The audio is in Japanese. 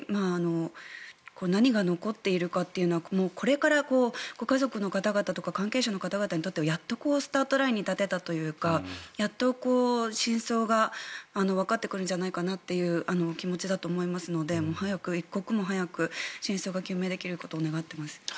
何が残っているかはこれから、ご家族の方々とか関係者の方々にとってはやっとスタートラインに立てたというかやっと真相がわかってくるんじゃないかなという気持ちだと思いますので一刻も早く真相が究明できることを願っています。